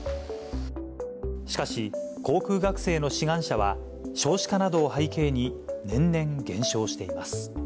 しかし、航空学生の志願者は少子化などを背景に、年々減少しています。